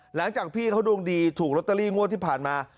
หลังจากพี่เขาดวงดีถูกลอตเตอรี่งวดที่ผ่านมา